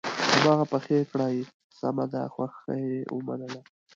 هماغه پخې کړه سمه ده خوښه یې ومنله.